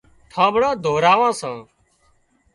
ٺانٻڙان ڌوراوان سان